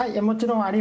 もちろん。